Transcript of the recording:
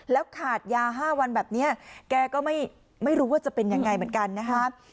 แล้วขาดยา๕วันแบบนี้แกก็ไม่รู้ว่าจะเป็นยังไงเหมือนกันนะคะ